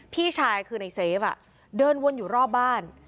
พี่ชายคือในเซฟเดินวนอยู่รอบบ้าน